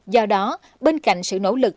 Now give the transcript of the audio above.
do đó bên cạnh sự nỗ lực